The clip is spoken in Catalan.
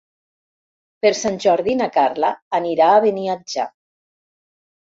Per Sant Jordi na Carla anirà a Beniatjar.